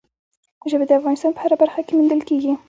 ژبې د افغانستان په هره برخه کې موندل کېږي.